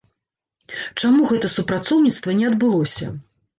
Чаму гэта супрацоўніцтва не адбылося?